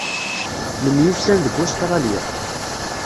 Nemyussan deg Ustṛalya.